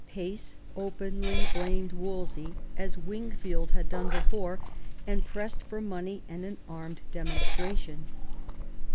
Pace openly blamed Wolsey, as Wingfield had done before, and pressed for money and an armed demonstration.